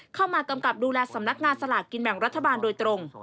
กำกับดูแลสำนักงานสลากกินแบ่งรัฐบาลโดยตรง